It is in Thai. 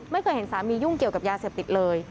ไม่เคยเห็นสามียุ่งเกี่ยวกับยาเสพติดเลย